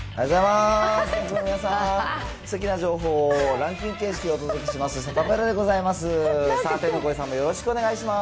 すてきな情報をランキング形式でお届けしますサタプラでございます。